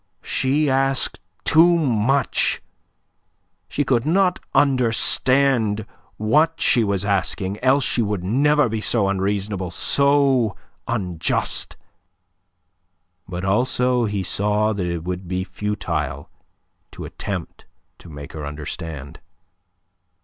She asked too much. She could not understand what she was asking, else she would never be so unreasonable, so unjust. But also he saw that it would be futile to attempt to make her understand.